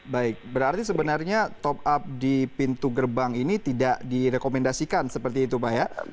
baik berarti sebenarnya top up di pintu gerbang ini tidak direkomendasikan seperti itu pak ya